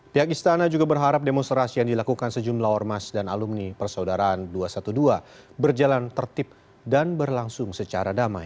pihak istana juga berharap demonstrasi yang dilakukan sejumlah ormas dan alumni persaudaraan dua ratus dua belas berjalan tertib dan berlangsung secara damai